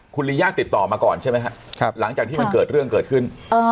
คุณลีย่าติดต่อมาก่อนใช่ไหมครับหลังจากที่มันเกิดเรื่องเกิดขึ้น